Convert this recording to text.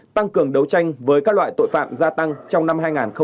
tăng cường đấu tranh với các loại tội phạm gia tăng trong năm hai nghìn hai mươi ba